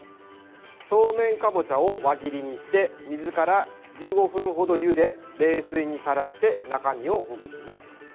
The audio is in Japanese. そうめんかぼちゃを輪切りにして水から１５分程ゆで冷水にさらして中身をほぐします。